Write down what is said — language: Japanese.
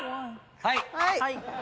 はい！